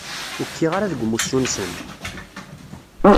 Ur kkiɣ ara deg umussu-nsen!